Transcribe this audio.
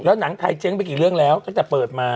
แล้วหนังไทยเจ๊งไปกี่เรื่องแล้วก็จะเปิดมา